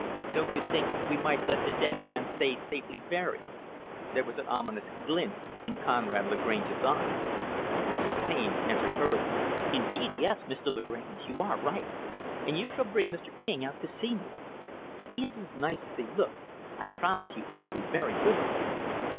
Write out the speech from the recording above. Don't you think we might let the dead man stay safely buried?" There was an ominous glint in Conrad Lagrange's eyes. Mrs. Taine answered hurriedly, "Indeed, yes, Mr. Lagrange. You are right. And you shall bring Mr. King out to see me. If he is as nice as he looks, I promise you I will be very good to him.